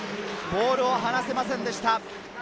ボールを離せませんでした。